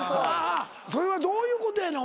それはどういうことやねん。